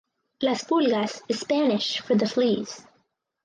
Las Pulgas is Spanish for "The Fleas".